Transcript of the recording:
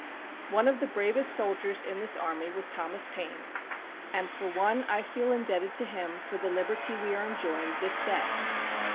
One of the bravest soldiers in this army was Thomas Paine; and for one, I feel indebted to him for the liberty we are enjoying this day.